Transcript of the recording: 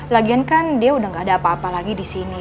lagian kan dia udah gak ada apa apa lagi di sini